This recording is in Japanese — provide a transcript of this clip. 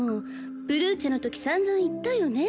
プルーチェの時散々言ったよね。